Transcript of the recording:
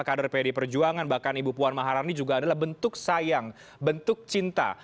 kader pdi perjuangan bahkan ibu puan maharani juga adalah bentuk sayang bentuk cinta